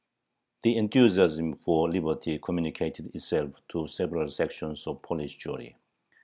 The enthusiasm for liberty communicated itself to several sections of Polish Jewry.